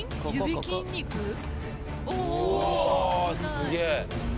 すげえ！